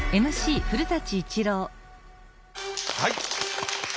はい。